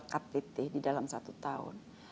jadi yang pertama adalah ktt di dalam satu tahun